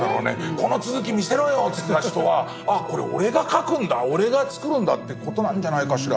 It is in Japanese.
この続き見せろよって言ってた人はああこれ俺が描くんだ俺が作るんだって事なんじゃないかしら。